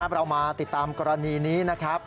เรามาติดตามกรณีนี้นะครับ